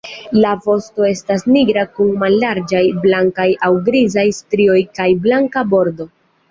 La vosto estas nigra kun mallarĝaj blankaj aŭ grizaj strioj kaj blanka bordo.